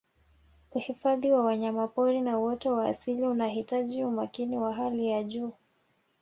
Uhifadhi wa wanyapori na uoto wa asili unahitaji umakini wa hali ya juu